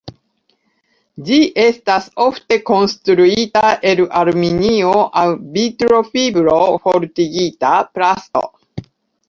Ĝi estas ofte konstruita el aluminio aŭ vitrofibro-fortigita plasto.